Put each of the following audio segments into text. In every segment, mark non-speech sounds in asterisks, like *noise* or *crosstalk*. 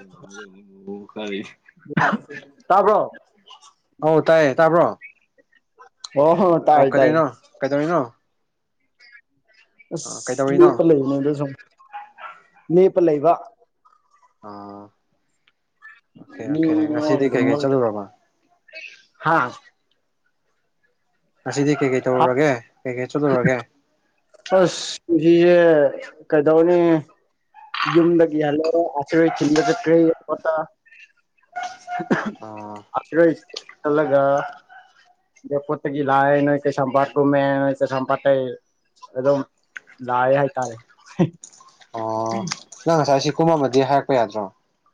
ꯑꯩꯈꯣꯏ ꯇꯥꯕ꯭ꯔꯣ ꯑꯧ ꯇꯥꯏꯌꯦ ꯇꯥꯕ꯭ꯔꯣ ꯑꯣ ꯍꯣ ꯑꯣ ꯀꯔꯤꯅꯣ ꯀꯩꯗꯧꯔꯤꯅꯣ ꯑꯁ ꯀꯩꯗꯧꯔꯤꯅꯣ ꯂꯦꯞꯄ ꯂꯩꯕꯅꯦꯗ ꯁꯨꯝ ꯂꯦꯞꯄ ꯂꯩꯕ ꯑꯣꯥ ꯑꯣꯀꯦ ꯃꯤ ꯑꯣꯀꯦ ꯉꯁꯤꯗꯤ ꯀꯩꯀꯩ ꯆꯠꯂꯨꯔꯕ ꯍꯥꯥ ꯉꯁꯤꯗꯤ ꯀꯩꯀꯩ ꯇꯧꯔꯨꯔꯒꯦ ꯀꯩꯀꯩ ꯆꯠꯂꯨꯔꯒꯦ *unintelligible* ꯑꯁ ꯗꯤꯌꯦ ꯀꯩꯗꯧꯅꯤ ꯌꯨꯝꯗꯒꯤ ꯍꯜꯂꯣ ꯑꯆꯔꯣꯏ ꯊꯤꯟꯕ ꯆꯠꯈ꯭ꯔꯦ ꯑꯣ *unintelligible* *unintelligible* ꯈꯜꯂꯒ ꯏꯌꯔꯄꯣꯠꯇꯒꯤ ꯂꯥꯛꯑꯦ ꯅꯣꯏ ꯀꯩꯁꯥꯝꯄꯥꯠ ꯀꯨꯝꯃꯦ ꯅꯣꯏ ꯀꯩꯁꯥꯝꯄꯥꯠꯇꯩ ꯑꯗꯨꯝ ꯂꯥꯏ ꯍꯥꯏ ꯇꯥꯥꯔꯦ ꯑꯣ *unintelligible* ꯅꯪ ꯉꯁꯥꯏ ꯁꯤ ꯀꯨꯝꯃꯗꯤ ꯍꯥꯏꯔꯛꯄ ꯌꯥꯗ꯭ꯔꯣ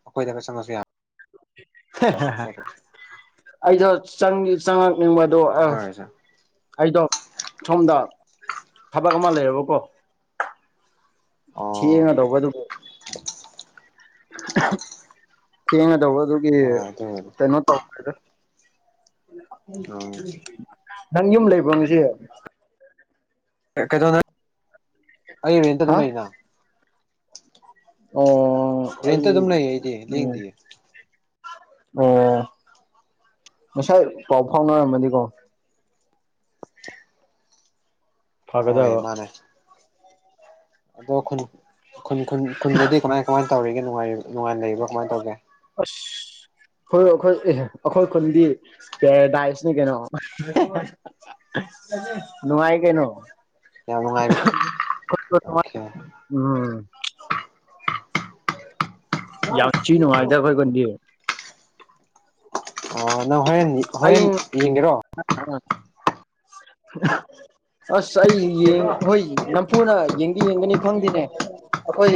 ꯑꯩꯈꯣꯏꯗꯒ ꯆꯪꯉꯁꯨ ꯌꯥ ꯍꯦ ꯍꯦ ꯍꯦ ꯑꯩꯗꯣ ꯆꯪꯗꯤ ꯆꯪꯉꯛꯅꯤꯡꯕ ꯑꯗꯣ ꯉꯥꯛꯇꯪ ꯑꯁ ꯑꯣꯏꯔꯁꯨ ꯑꯩꯗꯣ ꯁꯣꯝꯗ ꯊꯕꯛ ꯑꯃ ꯂꯩꯔꯕꯀꯣ ꯑꯣ ꯊꯦꯡꯉꯗꯧꯕ ꯑꯗꯨꯕꯨ ꯊꯦꯡꯉꯗꯧꯕꯗꯨ *unintelligible* ꯍꯣꯏ ꯑꯗꯨ ꯑꯣꯏꯔꯗꯤ ꯀꯩꯅꯣ ꯇꯧꯈ꯭ꯔꯦꯗ ꯅꯪ ꯌꯨꯝ ꯂꯩꯕ꯭ꯔꯣ ꯉꯁꯤ ꯀꯩꯩꯗꯧꯅ ꯑꯩ ꯔꯦꯟꯇ ꯍꯥ ꯑꯗꯨꯝ ꯂꯩꯅꯥ ꯑꯣ ꯔꯦꯟꯇ ꯑꯩ ꯑꯗꯨꯝ ꯂꯩ ꯑꯩꯗꯤ ꯎꯝ ꯂꯦꯡꯗꯤꯌꯦ ꯑꯣ ꯉꯁꯥꯏ ꯄꯥꯎ ꯐꯥꯎꯅꯔꯝꯃꯗꯤꯀꯣ ꯍꯣꯏ ꯐꯒꯗꯕ ꯃꯥꯅꯦ ꯑꯗꯣ ꯈꯨꯟ ꯈꯨꯟ ꯈꯨꯟ ꯈꯨꯟꯗꯗꯤ ꯀꯃꯥꯏ ꯀꯃꯥꯏ ꯇꯧꯔꯤꯒꯦ ꯅꯨꯡꯉꯥꯏ ꯅꯨꯡꯉꯥꯏꯅ ꯂꯩꯕ꯭ꯔꯣ ꯀꯃꯥꯏ ꯇꯧꯒꯦ ꯑꯁ *unintelligible* ꯑꯩꯈꯣꯏ ꯑꯦ ꯑꯩꯈꯣꯏ ꯈꯨꯟꯗꯤ ꯄꯦꯔꯥꯗꯥꯏꯁꯅꯤ ꯀꯩꯅꯣ ꯅꯨꯡꯉꯥꯏ ꯀꯩꯅꯣ ꯌꯥꯝ ꯅꯨꯡꯉꯥꯏꯕ ꯑꯣꯀꯦ *unintelligible* ꯎꯝ ꯌꯥꯝ ꯊꯤ ꯅꯨꯡꯉꯥꯏꯗ ꯑꯩꯈꯣꯏ ꯈꯨꯟꯗꯤ ꯑꯣ ꯅꯪ ꯍꯣꯔꯦꯟ ꯑꯩ ꯍꯣꯔꯦꯟ ꯌꯦꯡꯒꯦꯔꯣ *unintelligible* ꯑꯁ ꯑꯩ ꯌꯦꯡ ꯍꯣꯏ ꯅꯝꯐꯨꯗ ꯌꯦꯡꯗꯤ ꯌꯦꯡꯒꯅꯤ ꯈꯪꯗꯦꯅꯦ ꯑꯈꯣꯏ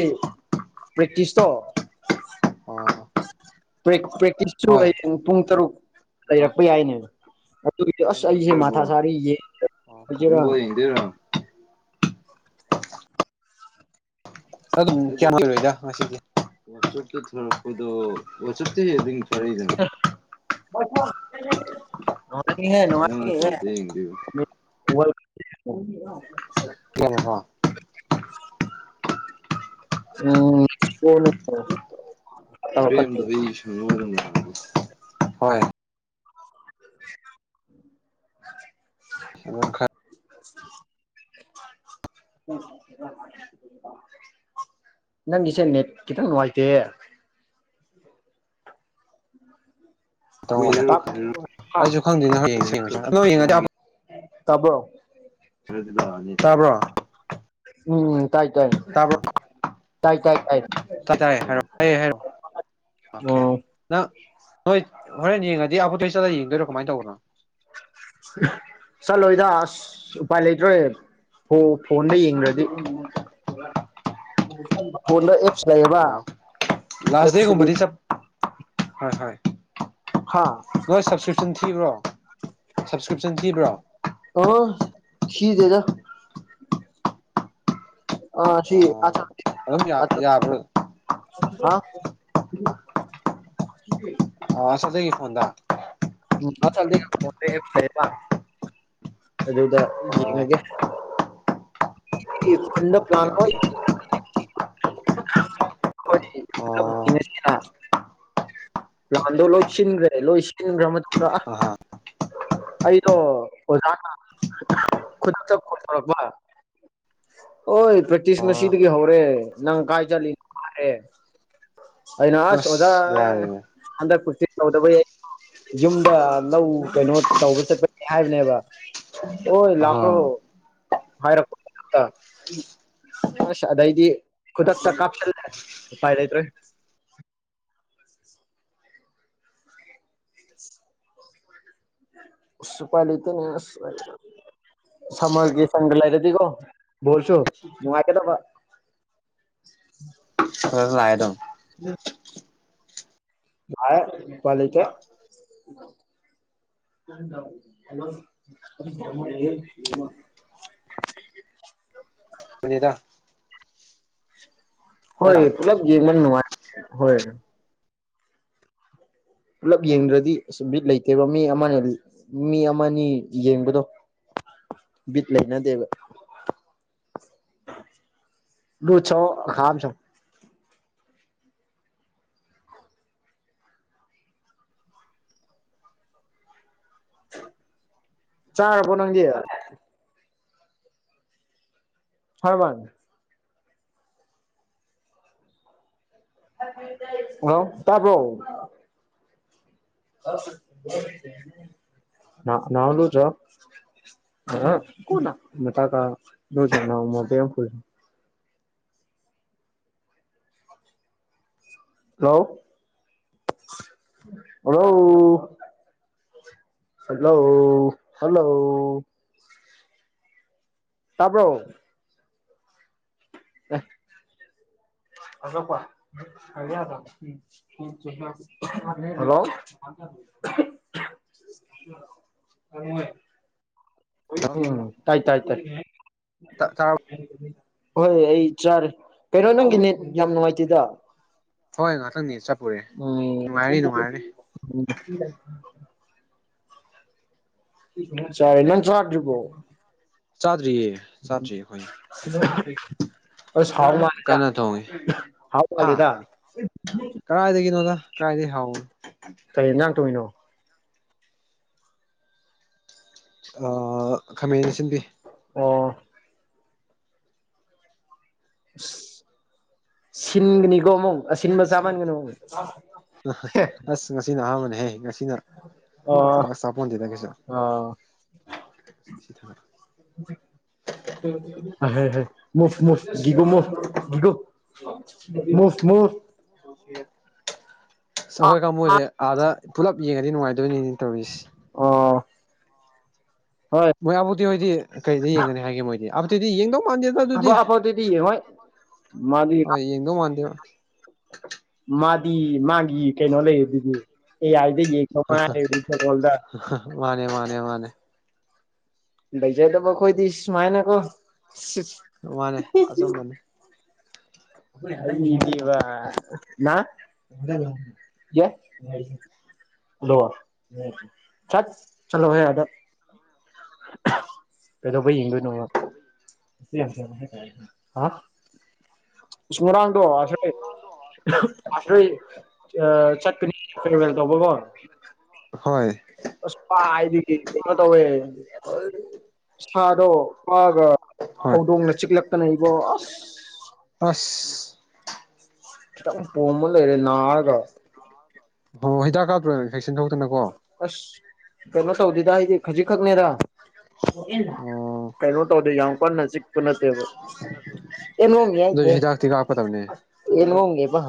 ꯄ꯭ꯔꯦꯛꯇꯤꯁꯇꯣ ꯑꯣ ꯄ꯭ꯔꯦꯛ ꯄ꯭ꯔꯦꯛꯇꯤꯁꯁꯨ ꯑꯣꯏ ꯍꯣꯏ *unintelligible* ꯄꯨꯡ ꯇꯔꯨꯛ ꯍꯜꯂꯣ ꯂꯩꯔꯛꯄ ꯌꯥꯏꯅꯦ ꯑꯗꯨꯒꯤ ꯑꯁ ꯑꯩꯁꯦ ꯃꯊꯥ ꯁꯥꯔꯤ ꯌꯦ ꯐꯖꯟꯕꯨ ꯌꯦꯡꯗꯨꯏꯔꯣ ꯑꯗꯨ ꯀꯌꯥꯝ ꯂꯩꯔꯣꯏꯗ ꯉꯁꯤꯗꯤ *unintelligible* ꯀꯈꯣꯏꯣ ꯑꯣꯁꯇ ꯑꯗꯨ ꯆꯂꯤꯗꯅ ꯅ ꯅꯉꯒꯤ ꯅꯪꯅ ꯀꯥꯏꯗ ꯀ ꯍꯣ ꯑ ꯀꯅ ꯄ꯭ꯔꯦꯝꯗꯣ ꯑꯩ ꯁ ꯑꯣꯏꯔꯝ ꯍꯣꯏ ꯎ ꯑꯗꯨ ꯈꯔ *unintelligible* ꯑ *unintelligible* ꯎꯝ *unintelligible* *inaudible* ꯅꯪꯒꯤꯁꯦ ꯅꯦꯠ ꯈꯤꯇꯪ ꯅꯨꯡꯉꯥꯏꯇꯦ ꯇꯞ ꯑꯩꯁꯨ ꯈꯪꯗꯦꯅ ꯍꯌꯦꯡ *unintelligible* ꯇꯕꯣ ꯑꯗꯨꯗꯤ ꯂꯅꯤ ꯆꯥꯕ꯭ꯔꯣ ꯎꯝ ꯇꯥꯏ ꯇꯥꯏ ꯇꯥꯕ꯭ꯔꯣ ꯇꯥꯏ ꯇꯥꯏ ꯇꯥꯏ ꯇꯔꯦ ꯍꯥꯏꯔꯑꯣ ꯍꯥꯏꯔꯣꯑꯣ ꯑꯣꯀꯦ ꯑꯣ *unintelligible* ꯅꯪ ꯅꯣꯏ ꯍꯣꯔꯦꯟ ꯌꯦꯡꯉꯗꯤ ꯑꯄꯨꯠꯇꯣꯏ ꯆꯂ ꯌꯦꯡꯗꯣꯏꯔꯣ ꯀꯃꯥꯏꯅ ꯇꯧꯕꯅꯣ ꯆꯠꯂꯣꯏꯗ ꯑꯁ ꯎꯄꯥꯏ ꯂꯩꯇ꯭ꯔꯦ ꯍꯣ ꯐꯣꯟꯗ ꯌꯦꯡ꯭ꯔꯗꯤ ꯐꯣꯟꯗ ꯑꯦꯞꯁ ꯂꯩꯌꯦꯕ ꯑꯣ ꯂꯥꯁ ꯑꯦꯞꯁꯇꯒꯤ ꯗꯦꯒꯨꯝꯕꯗꯤ ꯆꯞ ꯍꯣꯏ ꯍꯣꯏ ꯍꯥꯥ ꯅꯣꯏ ꯁꯞꯁꯀ꯭ꯔꯤꯞꯁꯟ ꯊꯤꯕ꯭ꯔꯣ ꯁꯞꯁꯀ꯭ꯔꯤꯞꯁꯟ ꯊꯤꯕ꯭ꯔꯣ ꯑ ꯁꯤꯤꯗꯦꯗ ꯑ ꯁꯤ ꯑꯣ ꯑꯆꯥ ꯑꯗꯨꯝ ꯌꯥ ꯌꯥꯕ꯭ꯔ ꯑ *unintelligible* ꯑꯁꯗꯗꯒꯤ ꯐꯣꯟꯗ ꯎꯝ ꯑꯗꯨꯗ ꯑꯣ ꯌꯦꯡꯉꯒꯦꯟꯗ ꯑꯣꯀꯦ ꯄ꯭ꯂꯥꯟ ꯑꯣꯀꯦ ꯑꯣ *unintelligible* *inaudible* ꯂꯥꯟꯗꯣ ꯂꯣꯏꯁꯤꯟꯒ꯭ꯔꯦ ꯂꯣꯏꯁꯤꯟꯒ꯭ꯔꯦ ꯃ ꯄꯨ ꯑꯍꯥ ꯑꯩꯗꯣ ꯑꯣꯖꯥꯅ ꯈꯨꯗꯛꯇ ꯇꯧꯔꯛꯄ ꯍꯣꯏ ꯄ꯭ꯔꯦꯛꯇꯤꯁ ꯑꯣ ꯉꯁꯤꯗꯒꯤ ꯍꯧꯔꯦ ꯅꯪ ꯀꯥꯏ ꯆꯠꯂꯤꯅꯣꯔꯦ ꯑꯩꯅ ꯑꯁ ꯑꯣꯖꯥ ꯑꯟꯗꯛ ꯀꯨꯔꯇ ꯂꯧꯧꯗꯕ ꯌꯨꯝꯗ ꯂꯧ ꯀꯩꯅꯣ ꯇꯧꯕ ꯆꯠꯄꯒꯤ ꯍꯥꯏꯕꯅꯦꯕ ꯑꯣ ꯑꯍꯥ ꯂꯥꯛꯀꯣ ꯍꯥꯏꯔꯛ ꯑꯁ ꯑꯗꯥꯏꯗꯤ ꯈꯨꯇꯛꯇ ꯆ ꯀꯥꯞꯂ ꯎ ꯐꯥꯏꯗꯔꯤ ꯎꯐꯂꯤꯇꯅ ꯁꯜ ꯀ ꯁꯪꯒ ꯂꯥꯏꯔꯦꯗꯤ ꯀꯣ ꯣꯜꯁꯨꯣ ꯀꯦꯗ ꯂꯥꯛꯑꯦ ꯑꯗꯨꯝ ꯎ ꯃꯥ ꯄꯂ ꯀꯦ ꯍꯂꯣ ꯄꯨꯅꯤꯗ ꯍꯣꯏ ꯅꯠꯇ꯭ꯔꯥ ꯄꯨꯂꯞ ꯖꯤꯃꯟ ꯅꯅꯨꯡꯉꯥꯏ ꯍꯣꯏ ꯄꯨꯂꯞ ꯌꯦꯡꯗ꯭ꯔꯗꯤ ꯑꯁ ꯕꯤꯠ ꯂꯩꯇꯦꯕ ꯃꯤ ꯑꯃ ꯃꯤ ꯑꯃꯅꯤ ꯌꯦꯡꯕꯗꯣ ꯕꯤꯠ ꯂꯩ ꯅ ꯗꯦꯕ ꯗꯨ ꯆꯣ ꯈꯝ ꯆꯣ ꯆꯥꯔꯕꯣ ꯅꯪꯗꯤ ꯍꯔ ꯃꯥ ꯑ ꯇꯕ ꯅꯅꯥꯎ ꯂꯨ ꯆ *unintelligible* ꯍꯜꯂꯣ ꯍꯂꯣ ꯍꯜꯂꯣ ꯍꯜꯂꯣ ꯇꯥꯔꯕꯣ ꯍꯜꯂꯣꯄꯌꯥꯗ ꯍꯜꯂꯣ ꯑꯣꯏ ꯍꯜꯂꯣ ꯎꯝ ꯇꯥꯏ ꯇꯥꯏ ꯇꯥꯏ ꯇꯥ ꯇꯥꯔꯕꯣ ꯍꯣꯏ ꯑꯩ ꯆꯥꯔꯦ ꯀꯩꯅꯣ ꯅꯪꯒꯤꯅꯦꯠ ꯌꯥꯝ ꯅꯨꯡꯉꯥꯏꯇꯦꯗ ꯍꯣꯏ ꯉꯥꯛꯇꯪꯅꯤ ꯆꯠꯄꯨꯔꯦ ꯅꯨꯡꯉꯥꯏꯔꯤ ꯅꯨꯡꯉꯥꯏꯔꯤ ꯑ ꯆꯟ ꯆꯔꯖꯕꯣ ꯆꯥꯗ꯭ꯔꯤꯌꯦ ꯎꯝ ꯆꯥꯗ꯭ꯔꯤ ꯑꯩꯈꯣꯏ ꯁꯤ ꯑ ꯍꯥꯎ ꯃꯥꯗ ꯀꯟꯅ ꯊꯣꯡꯉꯤ ꯍꯥꯎ ꯃꯥꯂꯗ ꯀꯗꯥꯥꯏꯗꯒꯤꯅꯣꯗ ꯀꯗꯥꯥꯏꯏꯗꯒꯤ ꯍꯥꯎꯅꯣ ꯀꯩ ꯉꯥꯡ ꯇꯣꯡꯤꯅꯣ ꯈꯥꯃꯅ ꯁꯤꯟꯕꯤ ꯑꯣ ꯁꯤꯟꯅꯤꯒꯣ ꯃꯨꯡ ꯁꯤꯟꯕ ꯆꯥ ꯃꯥꯟꯒꯅ ꯃꯨꯡ ꯑ ꯑꯁ ꯉꯁꯤꯅ ꯑꯍꯥꯟꯕꯅꯦꯍꯦ ꯉꯁꯤꯅ ꯑꯣ ꯄꯥꯁ ꯆꯄꯣꯟꯗꯤꯗꯒꯦꯁ ꯑꯥ ꯊ ꯍꯥꯏ ꯍꯥꯏ ꯃꯁ ꯃꯣꯁꯒꯣ ꯃꯣꯁꯒꯣ ꯁꯁ ꯑꯁ ꯑꯩꯈꯣꯏ ꯀꯥꯡꯕꯨꯁꯦ ꯑꯥꯗ ꯄꯨꯂꯞ ꯌꯦꯡꯉꯗꯤ ꯅꯨꯡꯉꯥꯏꯗꯣꯏꯅꯤꯅꯦ ꯇꯧꯔꯤꯁꯦ ꯑꯣ ꯍꯣꯏ ꯃꯣꯏ ꯑꯗꯨꯕꯨꯛꯇꯤ ꯍꯣꯏꯗꯤ ꯀꯩꯗ ꯌꯦꯡꯒꯅꯤ ꯍꯥꯏꯒꯦ ꯃꯣꯏꯗꯤ ꯑꯗꯨꯗꯤꯗꯤ ꯌꯦꯡꯗꯧ ꯃꯥꯟꯗꯦꯗ ꯑꯗꯨꯗꯤ ꯑꯐ ꯑꯐꯥꯎꯗꯨꯗꯤ ꯌꯦꯡꯉꯣꯏ ꯃꯥꯗꯤ ꯍꯣꯏ ꯌꯦꯡꯗꯧ ꯃꯥꯟꯗꯦꯕ ꯃꯥꯗꯤ ꯃꯥꯒꯤ ꯀꯩꯅꯣ ꯂꯩ ꯑꯗꯨꯗꯤ ꯑꯦꯌꯥꯗꯩ ꯌꯦ ꯃ ꯀꯔꯦ꯭ꯔꯤꯁꯣꯜꯗ ꯃꯥꯅꯦ ꯃꯥꯅꯦ ꯃꯥꯅꯦ ꯂꯩꯖꯗꯕ ꯑꯩꯈꯣꯏꯗꯤ ꯁꯨꯃꯥꯏꯅꯀꯣ ꯃꯥꯅꯦ ꯑꯆꯧ ꯃꯥꯅꯦ ꯌꯦ ꯂ ꯆꯠ ꯆꯂꯣ ꯍꯥꯏꯗ ꯄꯦꯗꯣ ꯄ ꯏꯗ ꯅ ꯍꯥ ꯁꯃꯔꯥꯡꯗꯣꯁꯦ ꯣꯏ ꯆꯠꯀꯅꯤ ꯐꯦꯔꯋꯦꯜ ꯇꯧꯕꯀꯣ ꯍꯣꯏ ꯑꯁꯄꯥꯗꯤ ꯀꯩꯅꯣ ꯇꯧꯋꯦ ꯁꯥꯗꯣ ꯋꯥꯒ ꯍꯣꯏ ꯍꯧꯗꯣꯡꯅ ꯆꯤꯛꯂꯛꯇꯅ ꯑꯩꯕꯣ ꯑꯁ ꯑꯁ ꯄꯃ ꯂꯩꯔꯦ ꯅꯅꯥꯔꯒ ꯑꯣꯣ ꯍꯤꯗꯥꯛ ꯀꯥꯞꯇ꯭ꯔꯣꯏꯅ ꯏꯟꯐꯦꯛꯁꯟ ꯊꯣꯛꯧꯇꯅꯀꯣ ꯑꯁ ꯀꯅ ꯁꯧꯗꯤꯗ ꯍꯥꯏꯗꯤ ꯈꯖꯤ ꯈꯛꯇꯅꯦꯗ ꯑꯣ ꯀꯩꯅꯣ ꯇꯧꯗꯣꯏ ꯌꯥꯝ ꯀꯟꯅꯖꯤꯛ ꯄꯨꯅꯠꯇꯕ ꯌꯦ ꯍꯦ ꯑꯗꯨꯏꯁꯨ ꯍꯥꯏ ꯍꯤꯗꯥꯛꯇꯤ ꯀꯥꯞꯀꯗꯕꯅꯦ ꯌꯦꯟ ꯍꯦꯕ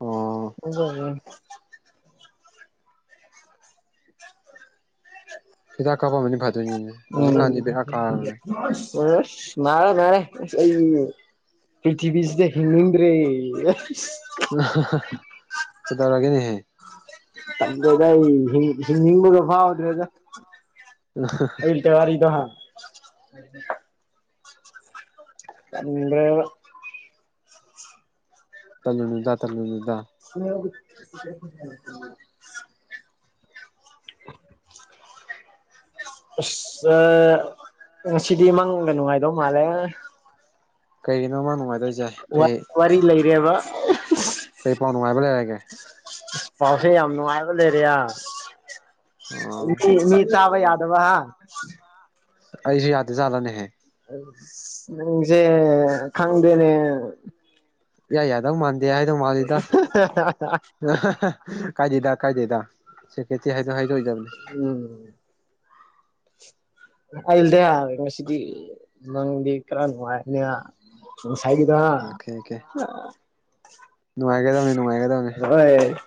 ꯑꯣ *inaudible* ꯍꯤꯗ ꯀꯥꯄꯝꯕꯅꯤ ꯐꯥꯗꯣꯏꯅꯤ ꯎꯝ ꯃꯥꯅꯥꯔꯦ ꯃꯥꯔꯦ ꯄ꯭ꯔꯤꯊꯤꯕꯤꯁꯤꯗ ꯍꯤꯡꯅꯤꯡꯗ꯭ꯔꯦ ꯑ ꯀꯩ ꯇꯧꯔꯒꯦꯅꯦꯍꯦ ꯗ ꯍꯃꯒꯕꯥꯎꯗ꯭ꯔꯦꯗ ꯎ ꯇꯔꯤꯗ ꯍꯥ ꯑꯗ ꯇꯅꯗ ꯇꯅꯗ *inaudible* *inaudible* ꯅꯨꯡ ꯁꯤꯗꯤ ꯃꯪꯒ ꯅꯨꯡꯉꯥꯏꯗꯣ ꯃꯥꯂꯦ ꯀꯩꯒꯤꯅꯣ ꯃꯥꯥꯡ ꯅꯨꯡꯉꯥꯏꯗꯣꯏꯁꯦ ꯋꯥꯔꯤ ꯂꯩꯔꯦꯕ ꯀꯩ ꯄꯥꯎ ꯅꯨꯡꯉꯥꯏꯕ ꯂꯩꯔꯒꯦ ꯄꯥꯎꯁꯦ ꯌꯥꯝ ꯅꯨꯡꯉꯥꯏꯕ ꯂꯩꯦꯔꯤꯌꯥ ꯑꯣ ꯃꯤ ꯇꯕ ꯌꯥꯗꯕ ꯍꯥ ꯑꯩꯁꯨ ꯌꯥꯗ ꯆꯂꯅꯦꯍ ꯅꯪꯁꯦ ꯈꯪꯗꯦꯅꯦ ꯏꯌꯥ ꯌꯥꯗꯧ ꯃꯥꯟꯗꯦ ꯍꯥꯏꯗꯧ ꯃꯥꯜꯂꯤꯗ ꯀꯥꯏꯗꯦꯗ ꯀꯥꯏꯗꯣꯏꯗ ꯁꯦꯀꯦꯇꯔꯤ ꯍꯥꯏꯗꯣꯛ ꯍꯥꯏꯗꯣꯛꯏꯗꯕꯅꯤ ꯎꯝ ꯑꯜꯗ ꯉꯁꯤꯗꯤ ꯅꯪꯗꯤ ꯀꯔ ꯅꯨꯡꯉꯥꯏꯅꯤ ꯁꯥꯏꯒꯤꯗ ꯑꯣꯀꯦ ꯑꯣꯀꯦ ꯅꯨꯡꯉꯥꯏꯒꯗꯕꯅꯤ ꯅꯨꯡꯉꯥꯏꯒꯗꯕꯅꯦ ꯍꯣꯏ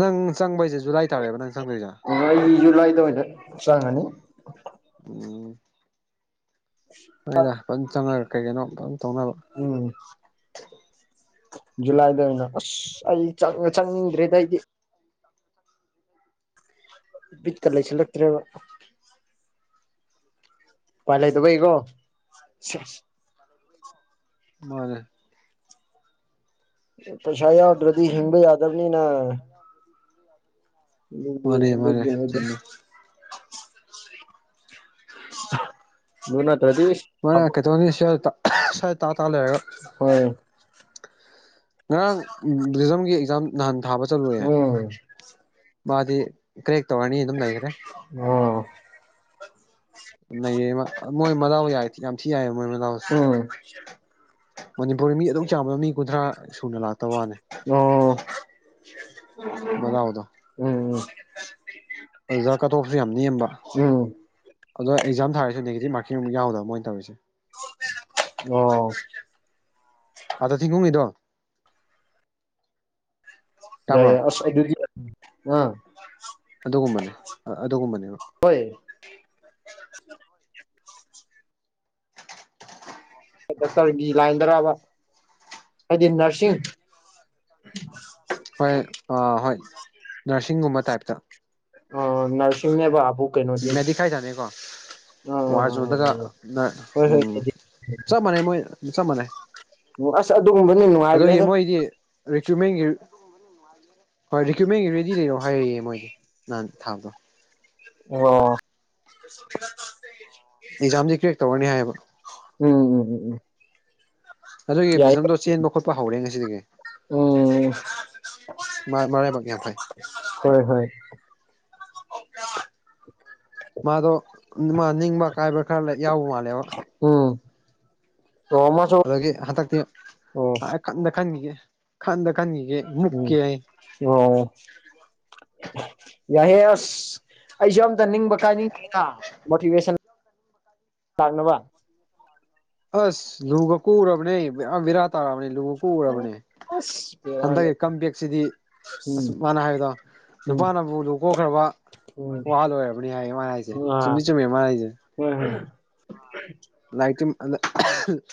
ꯅꯪ ꯆꯪꯕꯁꯦ ꯖꯨꯂꯥꯏ ꯇꯥꯔꯦꯕ ꯅꯪ ꯆꯪꯗꯣꯏꯁꯦ ꯑ ꯑꯩꯒꯤꯁꯨ ꯂꯥꯏꯗꯋꯥꯗ ꯆꯪꯉꯅꯤ ꯎꯝ ꯅꯣꯏꯗ ꯐꯖ ꯆꯪ ꯀꯩ ꯀꯩꯅꯣ ꯐꯖꯅ ꯇꯧꯅꯕ ꯎꯝ ꯖꯨꯂꯥꯏꯗ ꯑꯣꯏꯅ ꯑꯁ ꯑꯩ ꯆꯪꯅꯤꯡꯗ꯭ꯔꯦꯗ ꯑꯩꯗꯤ ꯄꯕꯤ ꯇ ꯂꯩꯁꯂꯠꯇ꯭ꯔꯦ ꯄꯂ ꯇꯕꯩꯀꯣ ꯃꯅꯦ ꯄꯩꯁ ꯑꯣꯗꯔꯗꯤ ꯍꯤꯡꯕ ꯌꯥꯗꯕꯅꯤ ꯅ ꯃꯥꯅꯦ ꯃꯥꯅꯦ ꯗ ꯆꯨꯝꯃꯦ ꯌꯅ ꯊꯗꯤ ꯃꯣꯏ ꯀꯩꯇꯧꯅꯤ ꯁ ꯁꯋꯥ ꯇꯥ ꯇꯥ ꯂꯩꯔꯒ ꯍꯣꯏ ꯉꯔꯥꯡ ꯇꯤꯖꯝꯒꯤ ꯑꯦꯛꯖꯥꯝ ꯅꯍꯥꯟ ꯊꯥꯕꯗ ꯆꯠꯂꯨꯌꯦꯦ ꯎꯝ ꯃꯥꯗꯤ ꯀ꯭ꯔꯦꯛ ꯇꯧꯔꯅꯤ ꯑꯗꯨꯝ ꯂꯩꯈ꯭ꯔꯦ ꯑꯣ ꯅꯌꯦ ꯃꯣꯏ ꯃꯅꯥꯎ ꯌꯥꯏ ꯌꯥꯝ ꯊꯤ ꯌꯥꯏꯌꯦ ꯃꯣꯏ ꯃꯅꯥꯎꯁꯦ ꯎꯝ ꯃꯅꯤꯄꯨꯔꯗ ꯃꯤ ꯑꯗꯨ ꯆꯥꯕꯗ ꯃꯤ ꯀꯨꯟꯊ꯭ꯔꯥ ꯁꯨꯅ ꯂꯥꯛꯇꯕ ꯋꯥꯅꯤ ꯑꯣ ꯃꯗꯥ ꯑꯣꯗ ꯎꯝ ꯎꯝ ꯑꯣꯖꯥ ꯀꯠ ꯑꯣꯐꯁꯦ ꯌꯥꯝ ꯅꯦꯝꯕ ꯎꯝ꯫ ꯑꯗ ꯑꯦꯛꯖꯥꯝ ꯊꯥꯔꯁꯨ ꯅꯦꯒꯇꯤꯞ ꯃꯥꯀꯤꯡ ꯌꯥꯎꯗꯕ ꯃꯣꯏ ꯇꯧꯔꯤꯁꯦ꯫ *unintelligible* ꯑꯣ꯫ ꯑꯥ ꯊꯤꯡꯒꯨꯒꯤꯗꯣ ꯇꯥꯕ꯭ꯔꯣ *unintelligible* ꯑ ꯑꯗꯨꯒꯨꯝꯕꯅꯦ ꯑꯗꯨꯒꯨꯝꯕꯅꯦꯕ꯫ ꯍꯣꯏ꯫ ꯗꯣꯛꯇꯔꯒꯤ ꯂꯥꯏꯟꯗꯔꯕ ꯍꯥꯏꯗꯤ ꯅꯔꯁꯤꯡ ꯍꯣꯏ ꯑ ꯍꯣꯏ ꯅꯔꯁꯤꯡꯒꯨꯝꯕ ꯇꯥꯏꯞꯇ꯫ ꯑ ꯅꯔꯁꯤꯅꯦꯕꯥ ꯑꯕꯨꯛ *unintelligible* ꯑ ꯑ ꯋꯥ ꯑ ꯖꯣꯗꯒ ꯍꯣꯏ ꯍꯣꯏ ꯎꯝ ꯍꯥꯏꯗꯤ ꯆꯞ ꯃꯥꯟꯅꯩ ꯃꯣꯏ ꯆꯞ ꯃꯥꯟꯅꯩ꯫ ꯑꯁ ꯑꯗꯨꯒꯨꯝꯕꯅꯤ ꯑꯗꯨ ꯒꯤ ꯅꯨꯡꯉꯥꯏꯕꯅꯦꯗ ꯃꯣꯏꯗꯤ ꯔꯤꯀ꯭꯭ꯔꯨꯠꯃꯦꯟꯒꯤ ꯍꯣꯏ ꯔꯤꯀ꯭ꯌꯨꯏꯠꯃꯦꯟꯒꯤ ꯔꯦꯗꯤ ꯂꯩꯔꯛꯑꯣ ꯍꯥꯏꯔꯛꯑꯦ ꯃꯣꯏꯗꯤ ꯅꯍꯥꯟ ꯊꯥꯗꯣ꯫ ꯑꯣ *unintelligible* ꯑꯦꯛꯖꯥꯝꯗꯤ ꯀ꯭ꯔꯦꯛ ꯇꯧꯔꯅꯤ ꯍꯥꯏꯌꯦꯕ꯫ ꯎꯝ ꯎꯝ ꯎꯝ ꯎꯝ꯫ ꯑꯗꯨꯒꯤ ꯌꯥꯏ ꯕꯤꯖꯟꯗꯣ ꯆꯦꯟꯕ ꯈꯣꯠꯄ ꯍꯧꯔꯦ ꯉꯁꯤꯗꯒꯤ꯫ ꯎꯝ ꯃꯥ ꯃꯔꯥꯏꯕꯛ ꯌꯥꯝ ꯐꯩ꯫ *unintelligible* ꯍꯣꯏ ꯍꯣꯏ꯫ ꯃꯥꯗꯣ ꯃꯥ ꯅꯤꯡꯕ ꯀꯥꯏꯕ꯭ꯔꯥ ꯈꯔ ꯌꯥꯎꯕ ꯃꯥꯜꯂꯦꯕ ꯎꯝ *unintelligible* ꯑꯗꯨꯗꯒꯤ ꯍꯟꯗꯛꯇꯤ ꯑꯣ ꯈꯟꯗ ꯈꯟꯒꯤꯒꯦ ꯈꯟꯗ ꯈꯟꯒꯤꯒꯦ ꯎꯝ ꯃꯨꯛꯀꯦ꯫ ꯑꯣ ꯌꯥꯢꯌꯦ ꯑꯁ ꯑꯩꯁꯨ ꯑꯝꯇ ꯅꯤꯡꯕ ꯀꯥꯏꯅꯤꯡꯉꯦꯗ ꯃꯣꯇꯤꯚꯦꯁꯟ ꯂꯥꯛꯅꯕ꯫ ꯑꯁ ꯂꯨꯒꯛ ꯀꯣꯛꯎꯔꯕꯅꯦ ꯕꯦꯔꯥ ꯇꯥꯔꯨꯔꯕꯅꯤ ꯂꯨꯒ ꯀꯣꯛꯎꯔꯕꯅꯦ꯫ ꯑꯁ ꯕꯦꯔꯥꯅꯤ ꯍꯟꯗꯛꯀꯤ ꯀꯝꯝꯕꯦꯛꯁꯤꯗꯤ꯫ ꯑꯁ ꯎꯝ ꯃꯥꯅ ꯍꯥꯏꯕꯗꯣ ꯎꯝ ꯅꯨꯄꯥꯅꯕꯨ ꯂꯨ ꯀꯣꯛꯈ꯭ꯔꯕ ꯋꯥ ꯂꯣꯏꯔꯕꯅꯤ ꯍꯥꯏ ꯃꯥꯟꯅ ꯍꯥꯏꯖꯦ ꯎꯝ ꯑ ꯆꯨꯝꯗꯤ ꯆꯨꯝꯃꯦ ꯍꯥ ꯍꯥꯏꯖꯦ꯫ ꯍꯣꯏ ꯍꯣꯏ *unintelligible* ꯂꯥꯏꯇ ꯑꯗ *unintelligible*